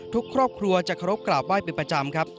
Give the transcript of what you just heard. ทุกครอบครัวจะเคารพกราบไห้เป็นประจำครับ